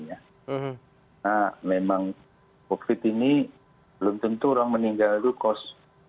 nah memang covid ini belum tentu orang meninggal itu kos